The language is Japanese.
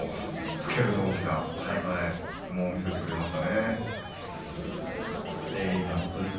スケールの大きな相撲を見せてくれましたね。